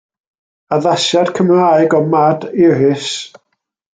Addasiad Cymraeg o Mad Iris